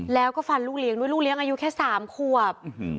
แล้วก็ฟันลูกเลี้ยงด้วยลูกเลี้ยงอายุแค่๓ขวบ